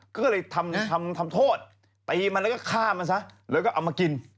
ก็เลยทำโทษตีมันแล้วก็ฆ่ามันซะแล้วก็เอามากิน